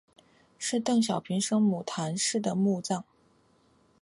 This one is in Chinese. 是邓小平生母谈氏的墓葬。